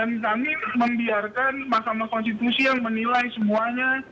dan kami membiarkan mahkamah konstitusi yang menilai semuanya